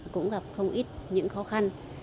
cũng gặp không ít những khó khăn